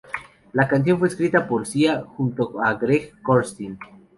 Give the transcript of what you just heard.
La canción fue escrita por Sia junto a Greg Kurstin.